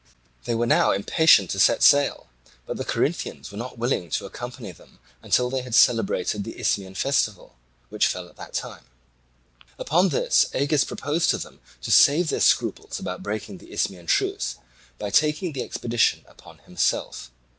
They were now impatient to set sail, but the Corinthians were not willing to accompany them until they had celebrated the Isthmian festival, which fell at that time. Upon this Agis proposed to them to save their scruples about breaking the Isthmian truce by taking the expedition upon himself.